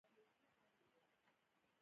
کندهار د افغانانو د فرهنګي پیژندنې برخه ده.